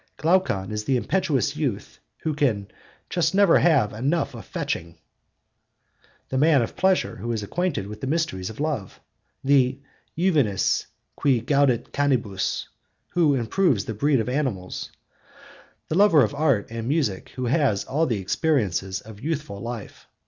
Glaucon is the impetuous youth who can 'just never have enough of fechting' (cp. the character of him in Xen. Mem. iii. 6); the man of pleasure who is acquainted with the mysteries of love; the 'juvenis qui gaudet canibus,' and who improves the breed of animals; the lover of art and music who has all the experiences of youthful life.